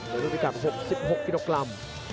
ในรูปรีกรัม๖๖กิโลกรัม